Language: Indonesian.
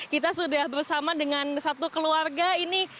kita sudah bersama dengan satu keluarga ini